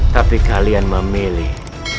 tapi kalian memilih